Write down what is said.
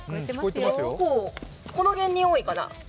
結構、この辺に多いかな？